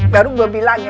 baru gue bilang ya